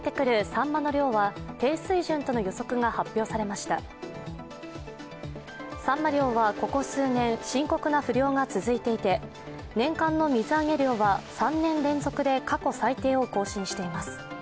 さんま漁はここ数年、深刻な不漁が続いていて年間の水揚げ量は３年連続で過去最低を更新しています。